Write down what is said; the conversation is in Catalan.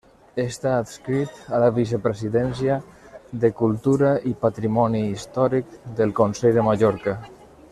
Està adscrit a la Vicepresidència de Cultura i Patrimoni Històric del Consell de Mallorca.